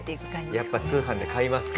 やっぱ通販で買いますか？